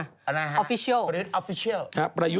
อันน่ะฮะภาพภาพภาพภาพภาพภาพนี่นะครับเดี๋ยวเราขอเข้าไปดู